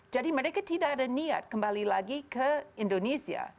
jadi mereka tidak ada niat kembali lagi ke indonesia